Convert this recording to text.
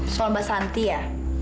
soal mbak santi ya